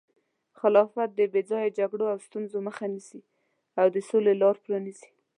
خلافت د بې ځایه جګړو او ستونزو مخه نیسي او د سولې لاره پرانیزي.